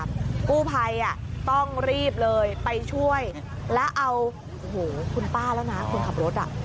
ผู้ภัยต้องรีบเลยไปช่วยแล้วเอาโอ้โหคุณป้าแล้วนะคุณขับรถ